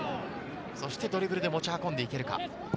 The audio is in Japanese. ドリブルで持ち運んでいけるか？